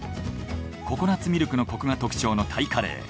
ココナツミルクのコクが特徴のタイカレー。